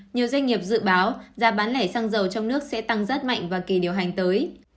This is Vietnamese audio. nhiều doanh nghiệp dự báo giá bán lẻ xăng dầu trong nước sẽ tăng rất mạnh vào kỳ điều hành tới